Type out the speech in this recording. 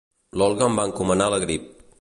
L'Olga em va encomanar la grip